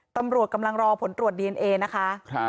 ตำรวจกำลังรอผลตรวจดีเอนเอนะคะ